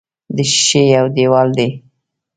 د ښیښې یو دېوال دی.